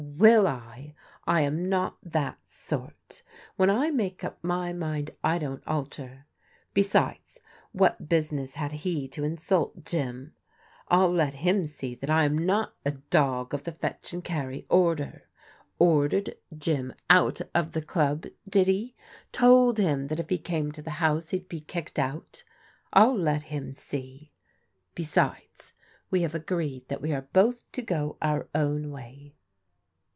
Will I? I am not that sort. When I make up my mind I don't alter. Besides, what business had he to in sult Jim? I'll let him see that I am not a dog of the fetch and carry order. Ordered Jim out of the club, did he? Told him that if he came to the house he'd be kicked out! Ill let him see. Besides, we have agreed that we are both to go our own way."